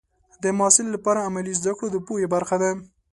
د محصل لپاره عملي زده کړه د پوهې برخه ده.